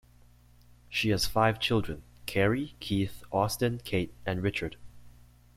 She has five children: Kerry, Keith, Austen, Kate, and Richard.